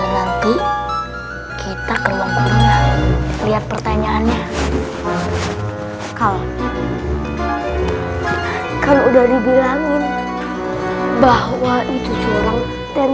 nanti kita kemampuannya lihat pertanyaannya kalau kamu udah dibilangin bahwa itu curang dan